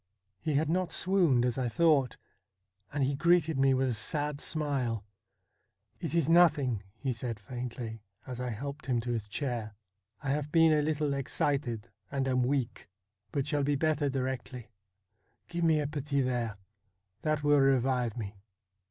He had not swooned, as I thought, and he greeted me with a sad smile. ' It is nothing,' he said faintly, as I helped him to his chair ;' I have been a little excited, and am weak, but shall be better directly. Give me a petit verre. That will revive me.'